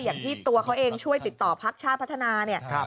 อย่างที่ตัวเขาเองช่วยติดต่อพักชาติพัฒนาเนี่ย